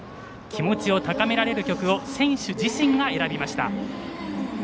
気持ちを高められる曲を選手自身が選びました。